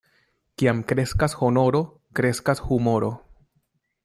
Kiam kreskas honoro, kreskas humoro.